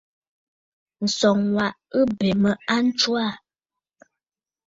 Ǹsɔŋ wa wa ɨ bè mə a ntswaà.